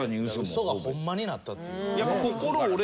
ウソがホンマになったっていう。